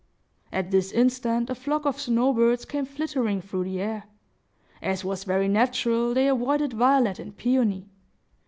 At this instant a flock of snow birds came flitting through the air. As was very natural, they avoided Violet and Peony.